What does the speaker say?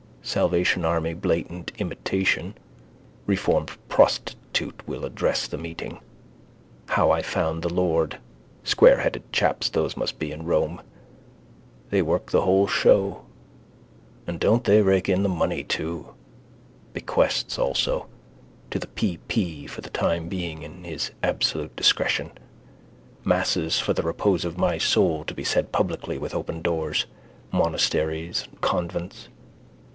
Salvation army blatant imitation. Reformed prostitute will address the meeting. How I found the Lord. Squareheaded chaps those must be in Rome: they work the whole show. And don't they rake in the money too? Bequests also: to the P.P. for the time being in his absolute discretion. Masses for the repose of my soul to be said publicly with open doors. Monasteries and convents.